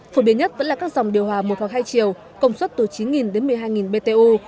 phổ biến nhất vẫn là các dòng điều hòa một hoặc hai chiều công suất từ chín đến một mươi hai btu